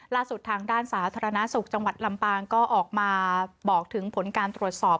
ล่าสุดทางด้านสาธารณสุขจังหวัดลำปางก็ออกมาบอกถึงผลการตรวจสอบ